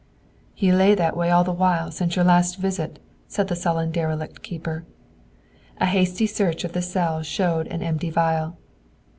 "He lay that way all the while since your last visit," said the sullen derelict keeper. A hasty search of the cell showed an empty vial.